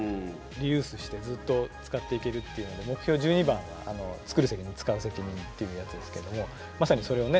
リユースしてずっと使っていけるっていうので目標１２番が「つくる責任つかう責任」っていうやつですけどもまさにそれをね